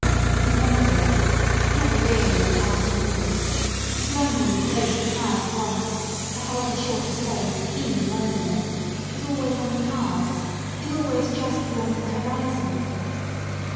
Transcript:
We never go back, never really and absolutely: London for those who have once, for however short a space, been Londoners, is always on the cards, is always just beyond the horizon.